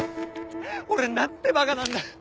俺は何てバカなんだ！